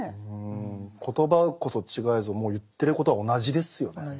言葉こそ違えぞもう言ってることは同じですよね。